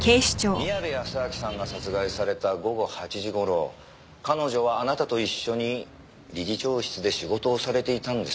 宮部保昭さんが殺害された午後８時頃彼女はあなたと一緒に理事長室で仕事をされていたんですよね？